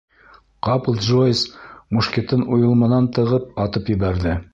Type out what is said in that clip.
Ҡапыл Джойс мушкетын уйылманан тығып атып ебәрҙе.